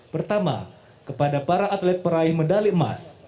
pertama kepada para atlet peraih medali emas